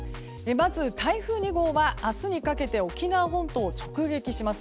まず、台風２号は明日にかけて沖縄本島を直撃します。